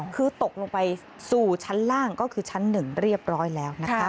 คือตกลงไปสู่ชั้นล่างก็คือชั้น๑เรียบร้อยแล้วนะคะ